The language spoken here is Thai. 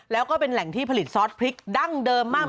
แล้วก็เป็นแหล่งที่ผลิตซอสพริกดั้งเดิมมาก